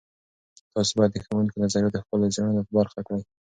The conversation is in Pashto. تاسې باید د ښوونکو نظریات د خپلو څیړنو برخه کړئ.